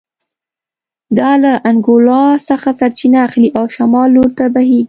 دا له انګولا څخه سرچینه اخلي او شمال لور ته بهېږي